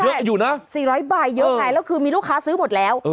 เยอะอยู่นะ๔๐๐ใบเยอะไงแล้วคือมีลูกค้าซื้อหมดแล้ว